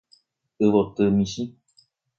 Yvoty michĩ.